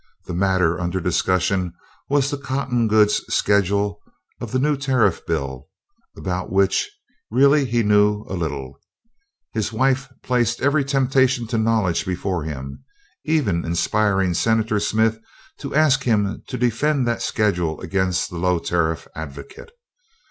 The matter under discussion was the cotton goods schedule of the new tariff bill, about which really he knew a little; his wife placed every temptation to knowledge before him, even inspiring Senator Smith to ask him to defend that schedule against the low tariff advocate.